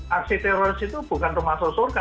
aksi teroris itu bukan termasuk surga